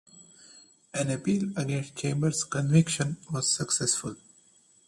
An appeal against Chambers' conviction was successful.